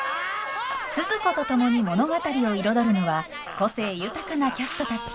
スズ子と共に物語を彩るのは個性豊かなキャストたち。